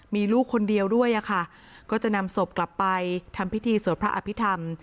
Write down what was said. มีลูกคนเดียวด้วยอะค่ะก็จะนำศพกลับไปทำพิธีสวดพระอภิษฐรรม